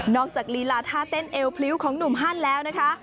จากลีลาท่าเต้นเอวพริ้วของหนุ่มฮั่นแล้วนะคะ